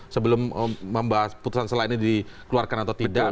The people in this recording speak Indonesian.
sebelum membahas putusan selain ini dikeluarkan atau tidak